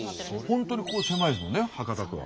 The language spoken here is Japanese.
本当にここ狭いですもんね博多区は。